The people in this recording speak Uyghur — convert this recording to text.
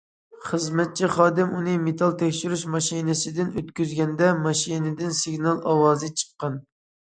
خىزمەتچى خادىم ئۇنى مېتال تەكشۈرۈش ماشىنىسىدىن ئۆتكۈزگەندە ماشىنىدىن سىگنال ئاۋازى چىققان.